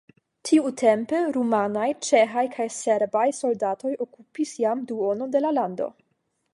Tiutempe rumanaj, ĉeĥaj kaj serbaj soldatoj okupis jam duonon de la lando.